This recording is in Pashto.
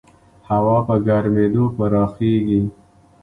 هوا په ګرمېدو پراخېږي.